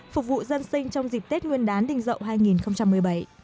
phục vụ dân sinh trong dịp tết nguyên đán đình dậu hai nghìn một mươi bảy